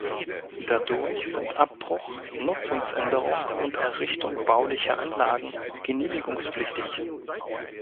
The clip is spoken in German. Dadurch sind Abbruch, Nutzungsänderung und Errichtung baulicher Anlagen genehmigungspflichtig.